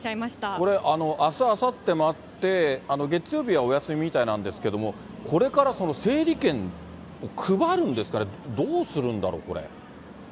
これ、あす、あさってもあって、月曜日はお休みみたいなんですけれども、これから整理券を配るんですかね、どうするんだろう、これ。